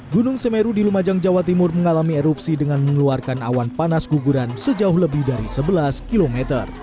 gunung semeru di lumajang jawa timur mengalami erupsi dengan mengeluarkan awan panas guguran sejauh lebih dari sebelas km